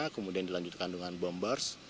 kemudian dilanjutkan dengan bombers